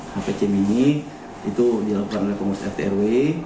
hpc mini itu dilakukan oleh pengurus rtrw